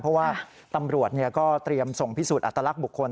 เพราะว่าตำรวจก็เตรียมส่งพิสูจน์อัตลักษณ์บุคคล